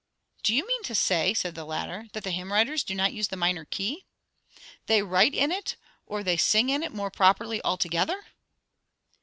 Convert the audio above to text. "Do you mean to say," said the latter, "that the hymn writers do not use the minor key? They write in it, or they sing in it, more properly, altogether!"